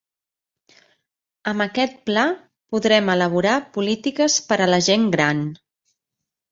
Amb aquest Pla podrem elaborar polítiques per a la gent gran.